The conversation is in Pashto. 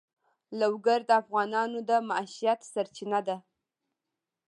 لوگر د افغانانو د معیشت سرچینه ده.